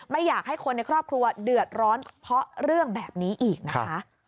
ไม่อยากให้คนในครอบครัวเดือดร้อนเพราะเรื่องแบบนี้อีกนะคะ